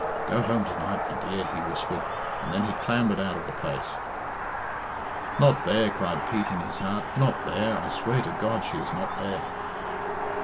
"Go home to night, my dear," he whispered, and then he clambered out of the place. "Not there!" cried Pete in his heart; "not there I swear to God she is not there."